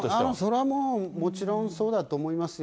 それはもうもちろんそうだと思いますよ。